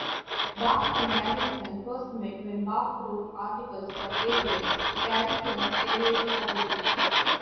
Bach and Garrison first met when Bach wrote articles for "Avian", Garrison's aviation publication.